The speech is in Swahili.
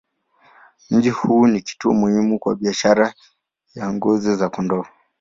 Mji huu ni kituo muhimu kwa biashara ya ngozi za kondoo.